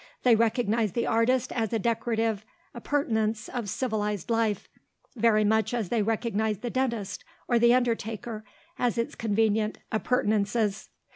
They recognized the artist as a decorative appurtenance of civilized life, very much as they recognized the dentist or the undertaker as its convenient appurtenances.